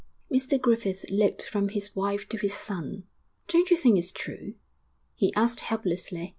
Mr Griffith looked from his wife to his son. 'Don't you think it's true?' he asked helplessly.